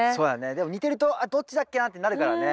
でも似てるとあっどっちだっけなってなるからね。